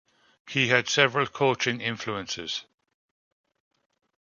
He had several coaching influences.